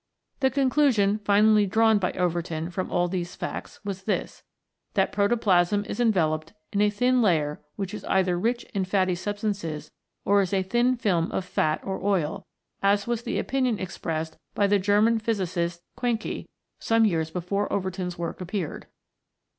The conclusion finally drawn by Overton from all these facts was this, that protoplasm is en veloped in a thin layer which is either rich in fatty substances or is a thin film of fat or oil, as was the opinion expressed by the German physicist Quincke some years before Overton's work appeared.